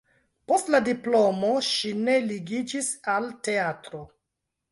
Post la diplomo ŝi ne ligiĝis al teatro.